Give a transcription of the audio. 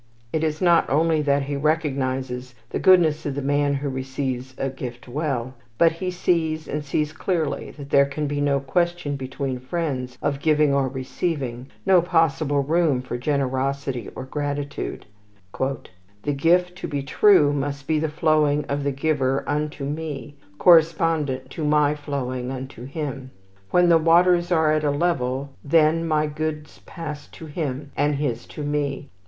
It is not only that he recognizes the goodness of the man who receives a gift well; but he sees, and sees clearly, that there can be no question between friends of giving or receiving, no possible room for generosity or gratitude. "The gift to be true must be the flowing of the giver unto me, correspondent to my flowing unto him. When the waters are at a level, then my goods pass to him, and his to me.